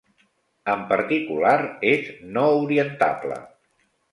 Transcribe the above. En particular, és no orientable.